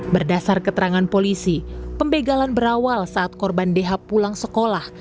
berdasar keterangan polisi pembegalan berawal saat korban dh pulang sekolah